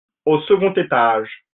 Au second étage.